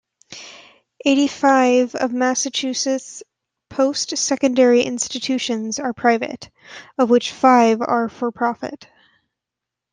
Eighty-five of Massachusetts' post-secondary institutions are private, of which five are for-profit.